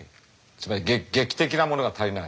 つまり劇的なものが足りない。